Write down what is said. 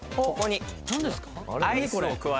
ここに。